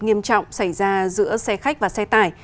nghiêm trọng xảy ra giữa xe khách và xe tải